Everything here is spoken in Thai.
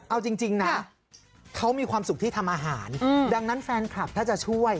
เอาจริงนะเขามีความสุขที่ทำอาหารดังนั้นแฟนคลับถ้าจะช่วย